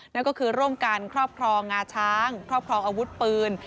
นั่นก็คือร่วมกันครอบครองงาช้างครอบครองอาวุธปืน